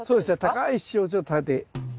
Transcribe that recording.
高い支柱をちょっと立て。